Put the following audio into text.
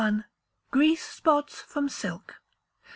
Grease Spots from Silk.